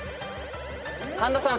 神田さん